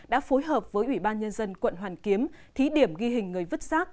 đã phối hợp với ủy ban nhân dân quận hoàn kiếm thí điểm ghi hình người vứt rác